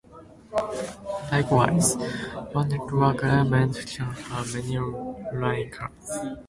Likewise, one network element can have many line cards.